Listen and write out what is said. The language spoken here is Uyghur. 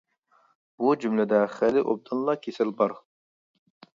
بۇ جۈملىدە خېلى ئوبدانلا «كېسەل» بار.